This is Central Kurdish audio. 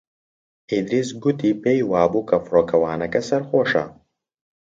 ئیدریس گوتی پێی وا بوو کە فڕۆکەوانەکە سەرخۆشە.